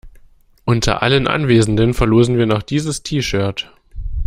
Unter allen Anwesenden verlosen wir noch dieses T-Shirt.